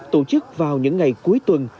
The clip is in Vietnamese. tổ chức vào những ngày cuối tuần